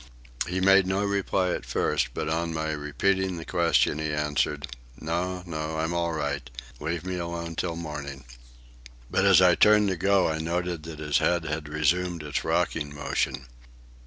He made no reply at first, but on my repeating the question he answered, "No, no; I'm all right. Leave me alone till morning." But as I turned to go I noted that his head had resumed its rocking motion.